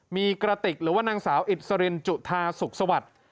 มีกระติกหรือว่านางสาวอิสรินจุธาสุขสวัสดิ์